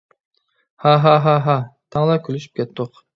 ھا ھا ھا ھا. تەڭلا كۈلۈشۈپ كەتتۇق.